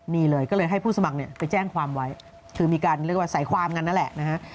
นี่เลยก็เลยให้ผู้สมัครเนี่ยไปแจ้งความไว้คือมีการเรียกว่าใส่ความกันนั่นแหละนะฮะ